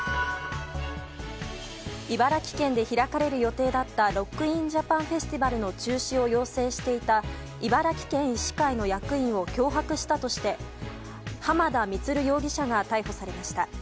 茨城県で開かれる予定だったＲＯＣＫＩＮＪＡＰＡＮＦＥＳＴＩＶＡＬの中止を要請していた茨城県医師会の役員を脅迫したとして浜田充容疑者が逮捕されました。